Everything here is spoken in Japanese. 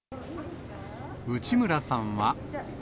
内村さんは。